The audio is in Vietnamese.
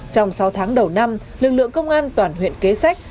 trong sáu tháng đầu năm lực lượng công an toàn huyện kế sách